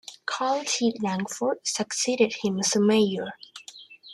Carl T. Langford succeeded him as mayor.